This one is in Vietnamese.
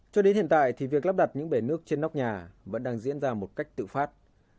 cho đến hiện tại thì việc lắp đặt những bể nước trên nóc nhà vẫn đang diễn ra một cách tự phát